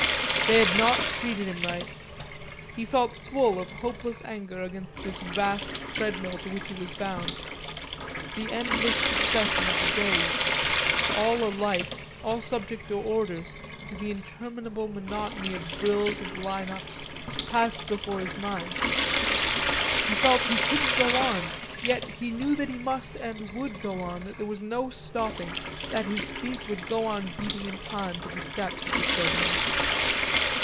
They had not treated him right, He felt full of hopeless anger against this vast treadmill to which he was bound. The endless succession of the days, all alike, all subject to orders, to the interminable monotony of drills and line ups, passed before his mind. He felt he couldn't go on, yet he knew that he must and would go on, that there was no stopping, that his feet would go on beating in time to the steps of the treadmill.